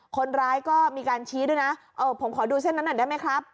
คนร้ายก็มีการชี้ด้วยนะผมขอดูเส้นนั้นหน่อยได้ไหมครับ